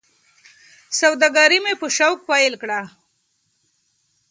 سوداګري مې په شوق پیل کړه.